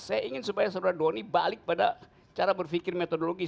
saya ingin supaya saudara doni balik pada cara berpikir metodologis